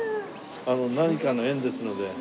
なんかの縁ですので。